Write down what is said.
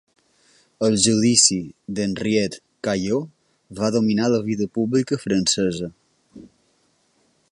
El judici d'Henriette Caillaux va dominar la vida pública francesa.